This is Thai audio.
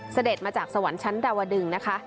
เสด็จมาจากสวรรค์ชั้นดาวดึงนะคะ